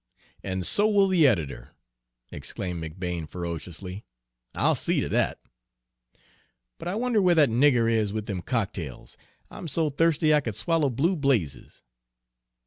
"And so will the editor!" exclaimed McBane ferociously; "I'll see to that. But I wonder where that nigger is with them cocktails? I'm so thirsty I could swallow blue blazes."